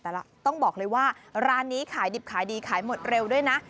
แต่ต้องบอกเลยว่าร้านนี้ขายดิบขายดีขายหมดเร็วด้วยนะ